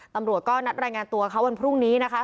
ตำรวจก็นัดรายงานตัวเขาวันพรุ่งนี้นะคะ